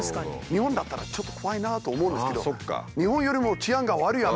日本だったらちょっと怖いなと思うんですけど。